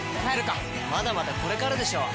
まだまだこれからでしょ！